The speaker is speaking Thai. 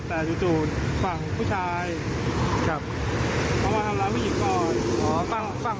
แต่จุดฝั่งผู้ชายเขามาทำร้ายผู้หญิงก่อน